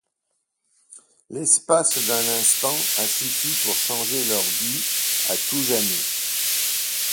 L'espace d'un instant a suffi pour changer leurs vies à tout jamais.